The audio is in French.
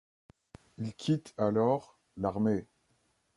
Il quitte alors l'armée.